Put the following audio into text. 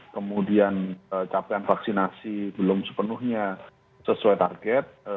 kemudian capaian vaksinasi belum sepenuhnya sesuai target